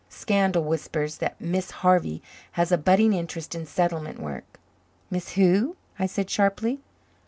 Scandal whispers that Miss Harvey has a budding interest in settlement work " "Miss who?" I said sharply.